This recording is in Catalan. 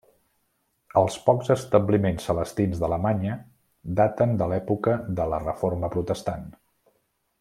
Els pocs establiments celestins d'Alemanya daten de l'època de la reforma protestant.